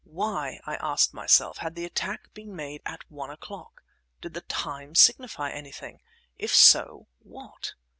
Why, I asked myself, had the attack been made at one o'clock? Did the time signify anything? If so, what?